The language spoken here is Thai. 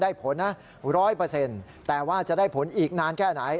ผลนะ๑๐๐แต่ว่าจะได้ผลอีกนานแค่ไหน